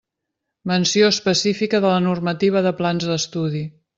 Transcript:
Menció específica de la normativa de plans d'estudi.